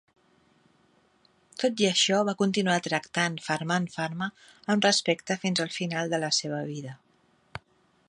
Tot i això, va continuar tractant Farman-Farma amb respecte fins al final de la seva vida.